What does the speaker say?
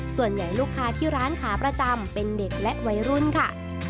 ส่วนใหญ่ลูกค้าที่ร้านขาประจำเป็นเด็กและวัยรุ่นค่ะ